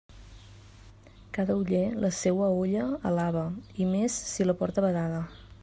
Cada oller, la seua olla alaba, i més si la porta badada.